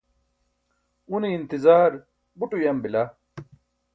une intizaar buṭ uyam bila